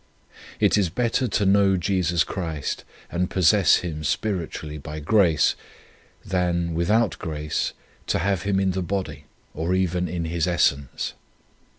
It is better to know Jesus Christ and possess Him spiritually by grace, than, without grace, to have Him in the body, or even in His essence.